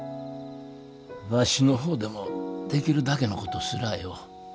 わしの方でもできるだけのことすらあよお。